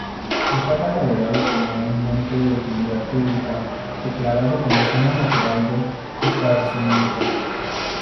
Está catalogado como un monte de utilidad pública, declarado como Zona Natural de Esparcimiento.